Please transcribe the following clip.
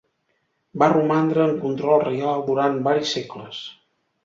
Va romandre en control reial durant varis segles.